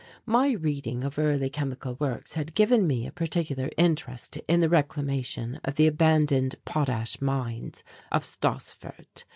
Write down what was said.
My reading of early chemical works had given me a particular interest in the reclamation of the abandoned potash mines of Stassfurt.